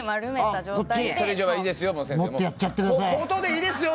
いいですよ